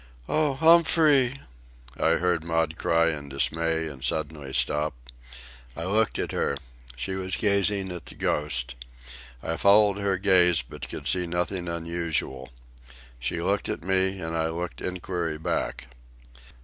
"Oh, Humphrey!" I heard Maud cry in dismay and suddenly stop. I looked at her. She was gazing at the Ghost. I followed her gaze, but could see nothing unusual. She looked at me, and I looked inquiry back.